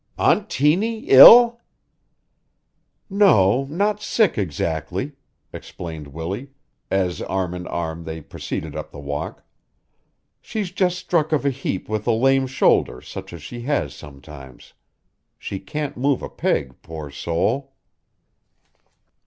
"Aunt Tiny ill!" "No, not sick exactly," explained Willie, as arm in arm they proceeded up the walk. "She's just struck of a heap with a lame shoulder such as she has sometimes. She can't move a peg, poor soul!"